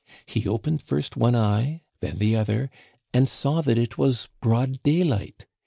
' He opened first one eye, then the other, and saw that it was broad daylight.